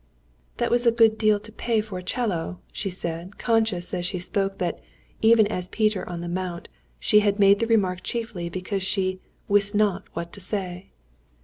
"That was a good deal to pay for a 'cello," she said, yet conscious as she spoke that even as Peter on the Mount she had made the remark chiefly because she "wist not what to say."